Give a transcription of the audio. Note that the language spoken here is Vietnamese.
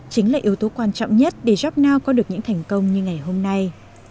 chính là yếu tố quan trọng nhất để jobnow có được những thành công như ngày hôm nay